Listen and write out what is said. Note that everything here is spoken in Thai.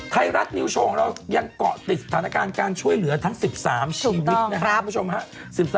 ไทยรัฐนิวโชว์ของเรายังเกาะติดฐานการณ์การช่วยเหลือทั้ง๑๓ชีวิตนะฮะถูกต้องครับ